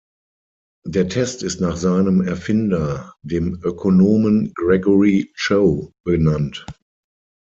Der Test ist nach seinem Erfinder, dem Ökonomen Gregory Chow, benannt.